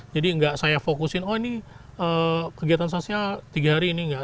jadi nggak saya fokusin oh ini kegiatan sosial tiga hari ini nggak